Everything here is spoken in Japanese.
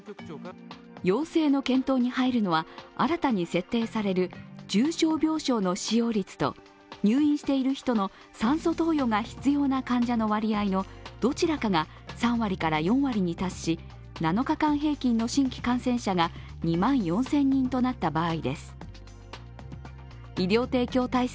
要請の検討に入るのは、新たに設定される重症病床の使用率と入院している人の酸素投与が必要な患者の割合のどちらかが３割から４割に達し、７日間平均の新規感染者が２万４０００人となった場合です。